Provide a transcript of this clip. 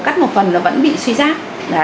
cắt một phần nó vẫn bị suy giáp